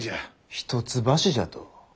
一橋じゃと？